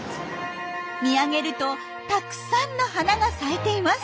見上げるとたくさんの花が咲いています。